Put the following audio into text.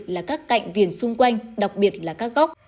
là các cạnh viền xung quanh đặc biệt là các góc